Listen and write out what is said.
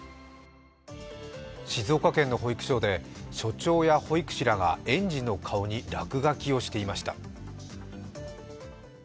静岡県の保育所で所長や保育士らが園児の顔に落書きしていました。